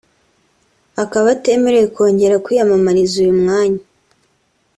akaba atemerewe kongera kwiyamamariza uyu mwanya